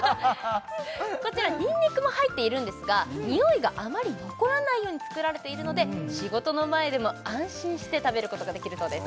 こちらニンニクも入っているんですがにおいがあまり残らないように作られているので仕事の前でも安心して食べることができるそうです